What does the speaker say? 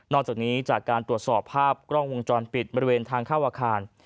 จากนี้จากการตรวจสอบภาพกล้องวงจรปิดบริเวณทางเข้าอาคาร